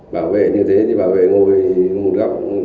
bảo vệ như thế thì bảo vệ như thế